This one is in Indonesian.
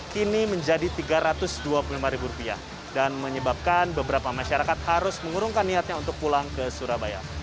kini menjadi rp tiga ratus dua puluh lima dan menyebabkan beberapa masyarakat harus mengurungkan niatnya untuk pulang ke surabaya